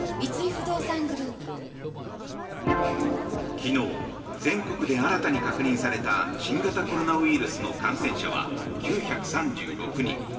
昨日、全国で新たに確認された新型コロナウイルスの感染者は９３６人。